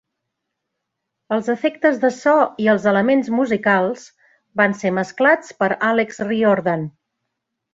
Els efectes de so i els elements musicals van ser mesclats per Alex Riordan.